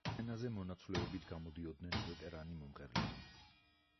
სცენაზე მონაცვლეობით გამოდიოდნენ ვეტერანი მომღერლები.